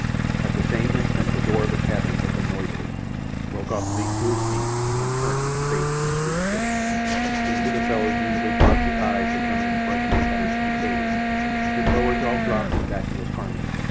At the same instant the door of the cabin opened noisily. Rokoff leaped to his feet, and, turning, faced the Swede cook. Into the fellow's usually foxy eyes had come an expression of utter stupidity. His lower jaw drooped in vacuous harmony.